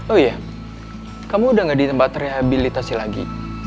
oh iya kamu udah gak di tempat rehabilitasi lagi